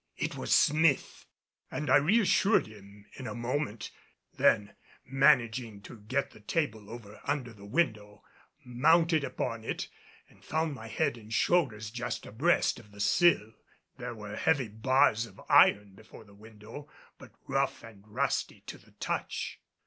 It was Smith! And I reassured him in a moment; then managing to get the table over under the window, mounted upon it and found my head and shoulders just abreast of the sill. There were heavy bars of iron before the window, but rough and rusty to the touch.